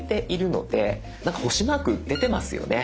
なんか星マーク出てますよね？